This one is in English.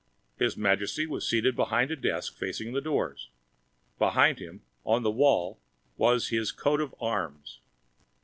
His Majesty was seated behind a desk facing the doors. Behind him, on the wall, was His Coat of Arms.